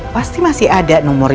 pasti masih ada nomornya